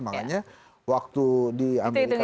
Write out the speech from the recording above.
makanya waktu di amerika